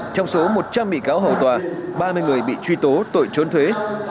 trong số một trăm linh bị cáo hầu tòa ba mươi người bị truy tố tội trốn thuế